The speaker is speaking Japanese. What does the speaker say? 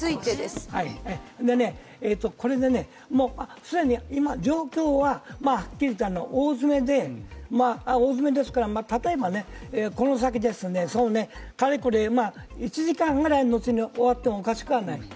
これで既に今、状況ははっきりいって大詰めですから例えばこの先、かれこれ１時間ぐらいのうちに終わってもおかしくないです。